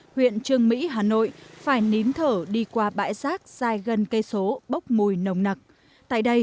huyện trương mỹ hà nội